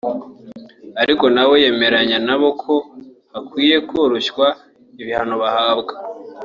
ariko nawe yemeranya n’abo ko hakwiye koroshywa ibihano bahabwa